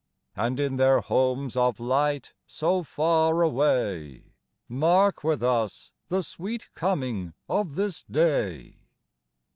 And, in their homes of light so far away, Mark with us the sweet coming of this day